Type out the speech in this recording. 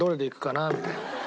みたいな。